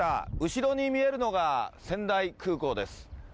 後ろに見えるのが、仙台空港です。